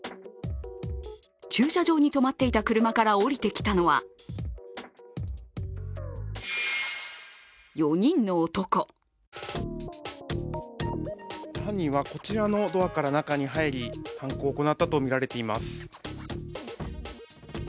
駐車場に止まっていた車から降りてきたのは犯人は、こちらのドアから中に入り犯行を行ったとみられています。